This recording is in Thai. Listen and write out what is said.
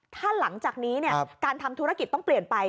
ถ้าหลังจากนี้การทำธุรกิจต้องเปลี่ยนไป